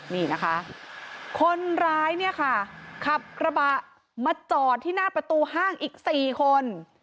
นี่นะคะคนร้ายเนี่ยค่ะขับกระบะมาจอดที่หน้าประตูห้างอีก๔คน